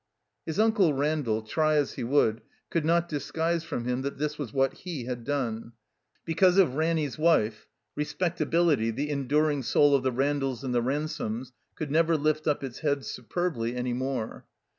His Unde Randall, try as he would, could not disguise from him that this was what he had done. Because of Ranny's wife. Respectability, the enduring soul of the Randalls and the Ransomes, could never lift up its head superbly any more.